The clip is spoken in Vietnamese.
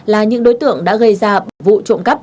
là những đối tượng đã gây ra vụ trộm cắp